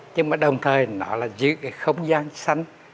nhưng mà đồng thời nó là giữ cái không gian xanh